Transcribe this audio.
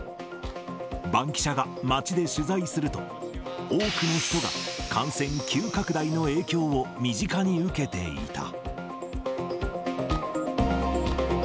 バンキシャが街で取材すると、多くの人が感染急拡大の影響を身近に受けていた。